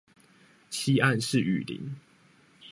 西岸是雨林